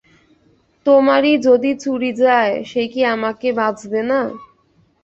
তোমারই যদি চুরি যায় সে কি আমাকে বাজবে না?